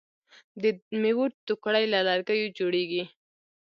د میوو ټوکرۍ له لرګیو جوړیږي.